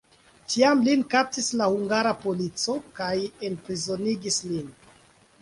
Tiam lin kaptis la hungara polico kaj enprizonigis lin.